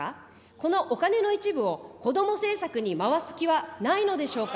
このお金の一部をこども政策に回す気はないのでしょうか。